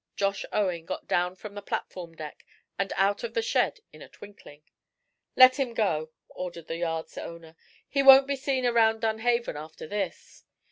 Josh Owen got down from the platform deck, and out of the shed in a twinkling. "Let him go," ordered, the yard's owner. "He won't be seen around Dunhaven after this.